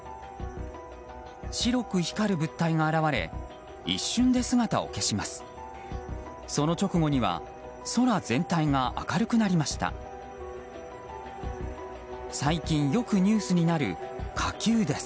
白く光る物体が現れ一瞬で姿を消します。